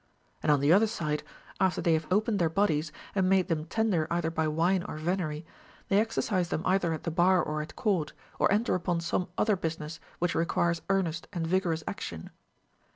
And on the other side, after they have opened their bodies and made them tender either by wine or venery, they exercise them either at the bar or at court, or enter upon some other business which recpiires earnest and vigorous action.